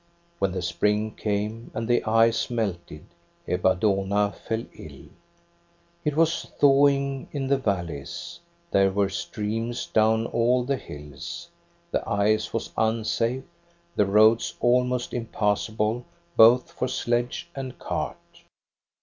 When the spring came, and the ice melted, Ebba Dohna fell ill. It was thawing in the valleys ; there were streams down all the hills, the ice was unsafe, the roads almost impassable both for sledge and cart.